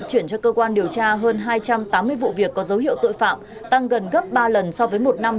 chuyển cho cơ quan điều tra hơn hai trăm tám mươi vụ việc có dấu hiệu tội phạm tăng gần gấp ba lần so với một năm